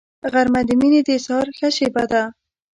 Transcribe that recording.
غرمه د مینې د اظهار ښه شیبه ده